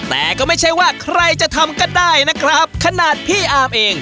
แต่ก็ไม่ใช่ว่าใครจะทำก็ได้นะครับขนาดพี่อาร์มเอง